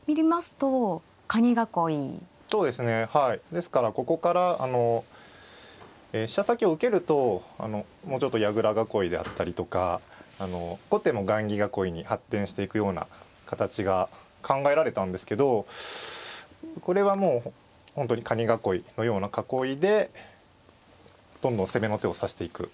ですからここから飛車先を受けるともうちょっと矢倉囲いであったりとか後手も雁木囲いに発展していくような形が考えられたんですけどこれはもう本当にカニ囲いのような囲いでどんどん攻めの手を指していく。